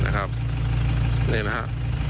นะครับเนี่ยนะฮะ